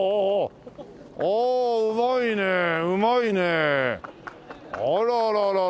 おおうまいねえうまいねえ。あららら。